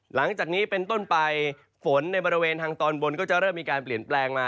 หลังจากนี้เป็นต้นไปฝนในบริเวณทางตอนบนก็จะเริ่มมีการเปลี่ยนแปลงมา